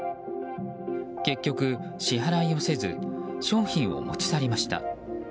結局、支払いをせず商品を持ち去りました。